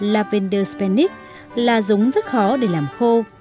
lavender spanish là giống rất khó để làm khô